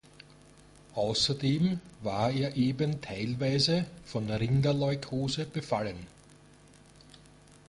Außerdem war er eben teilweise von Rinderleukose befallen.